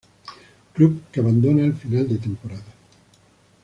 Club que abandona al final de temporada.